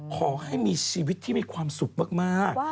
ขอให้มีชีวิตที่มีความสุขมาก